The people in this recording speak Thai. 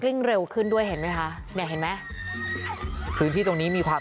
่งเร็วขึ้นด้วยเห็นไหมคะเนี่ยเห็นไหมพื้นที่ตรงนี้มีความ